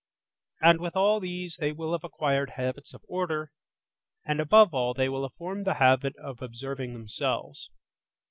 And with all this they will have acquired habits of order, and, above all, they will have formed the habit of observing themselves.